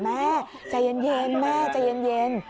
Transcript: แม่ใจเย็นแม่ใจเย็น